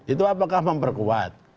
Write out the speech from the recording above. itu apakah memperkuat